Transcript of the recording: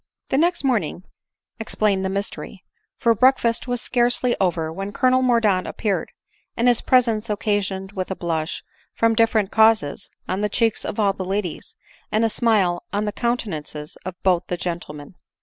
The next morning explained the mystery; for break fast was scarcely over, when Colonel Mordaunt appeared ; and his presence occasioned a blush, from different causes, on the cheeks of all the ladies, and a smile on the coun tenances of both the gentlemen.